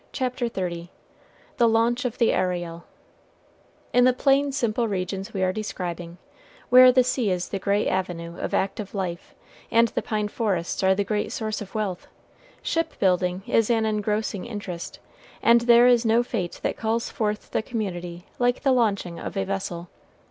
CHAPTER XXX THE LAUNCH OF THE ARIEL In the plain, simple regions we are describing, where the sea is the great avenue of active life, and the pine forests are the great source of wealth, ship building is an engrossing interest, and there is no fête that calls forth the community like the launching of a vessel.